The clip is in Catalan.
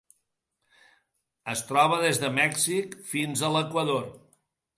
Es troba des de Mèxic fins a l'Equador.